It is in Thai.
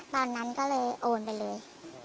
ตอนนั้นก็เลยโอนไปเลย